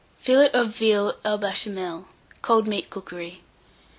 FILLET OF VEAL AU BECHAMEL (Cold Meat Cookery).